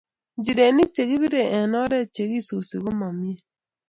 Injirenik chekipirei eng oret chekisusi koma mie.